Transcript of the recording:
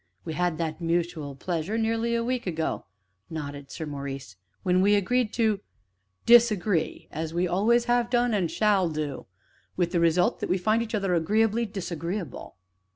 "We had that mutual pleasure nearly a week ago," nodded Sir Maurice, "when we agreed to disagree, as we always have done, and shall do with the result that we find each other agreeably disagreeable."